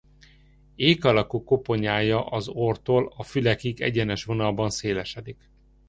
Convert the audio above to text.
Ék alakú koponyája az orrtól a fülekig egyenes vonalban szélesedik.